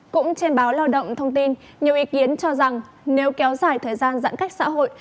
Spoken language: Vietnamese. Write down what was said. cũng trên báo lao động thông tin nhiều ý kiến cho rằng nếu kéo dài thời gian giãn cách xã hội